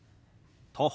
「徒歩」。